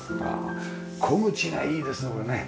木口がいいですねこれね。